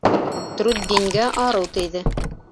Труддингә арыу тейҙе.